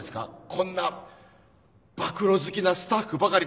こんな暴露好きなスタッフばかりで。